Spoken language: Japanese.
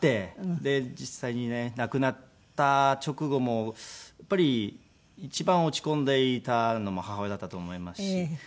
で実際にね亡くなった直後もやっぱり一番落ち込んでいたのも母親だったと思いますし。